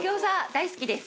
大好きです！